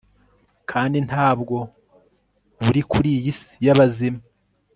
kandi nta bwo buri kuri iyi si y'abazima